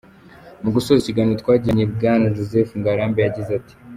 Mu gusoza ikiganiro twagiranye Bwana Joseph Ngarambe yagize ati: